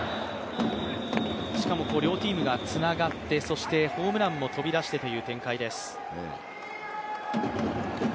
しかも両チームがつながって、ホームランも飛び出してという展開です。